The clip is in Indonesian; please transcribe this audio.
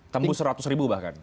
lebih dari seratus ribu bahkan